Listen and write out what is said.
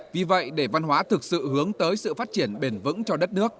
vì vậy để văn hóa thực sự hướng tới sự phát triển bền vững cho đất nước